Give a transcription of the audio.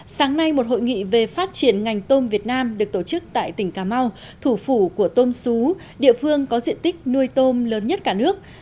sáng nay một hội nghị về phát triển ngành tôm việt nam được tổ chức tại tỉnh cà mau thủ phủ của tôm xú địa phương có diện tích nuôi tôm lớn nhất cả nước